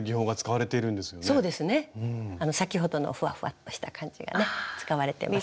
先ほどのふわふわっとした感じがね使われてます。